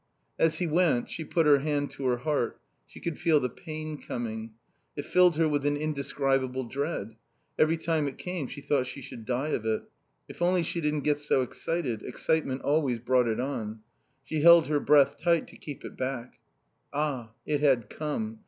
As he went she put her hand to her heart. She could feel the pain coming. It filled her with an indescribable dread. Every time it came she thought she should die of it. If only she didn't get so excited; excitement always brought it on. She held her breath tight to keep it back. Ah, it had come.